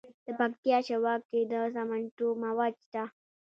د پکتیا په شواک کې د سمنټو مواد شته.